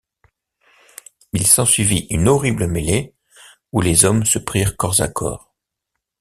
Il s’ensuivit une horrible mêlée, où les hommes se prirent corps à corps.